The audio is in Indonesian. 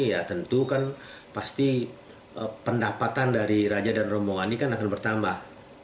ya tentu kan pasti pendapatan dari raja dan rombongan ini kan akan bertambah